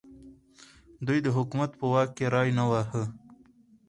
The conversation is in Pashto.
دوی د حکومت په واک کې ری نه واهه.